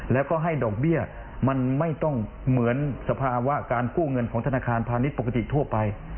แล้วก็ให้ดอกเบี้ยมันไม่ต้องเหมือนสภาวะการกู้เงินของธนาคารพาณิชย์ปกติทั่วไป